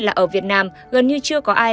là ở việt nam gần như chưa có ai